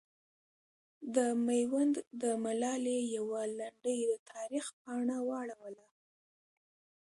د میوند د ملالې یوه لنډۍ د تاریخ پاڼه واړوله.